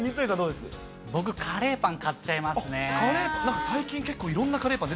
僕、カレーパン買っちゃいまカレーパン。